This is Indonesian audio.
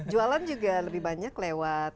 jualan juga lebih banyak lewat